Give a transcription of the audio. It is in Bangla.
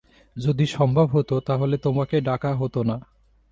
যদি সম্ভব হত, তাহলে তোমাকে ডাকা হত না।